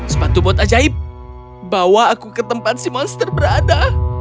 sepatu bot ajaib bawa aku ke tempat si monster berada